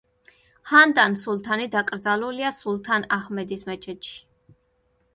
ჰანდან სულთანი დაკრძალულია სულთან აჰმედის მეჩეთში.